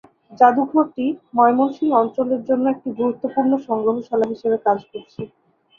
জাদুঘরটি ময়মনসিংহ অঞ্চলের জন্য একটি গুরুত্বপূর্ণ সংগ্রহশালা হিসেবে কাজ করছে।